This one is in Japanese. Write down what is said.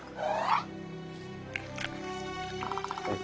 えっ？